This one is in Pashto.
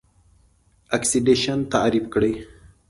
اکسیدیشن تعریف کړئ.